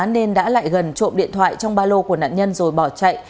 nên đã lại gần trộm điện thoại trong ba lô của nạn nhân rồi bỏ chạy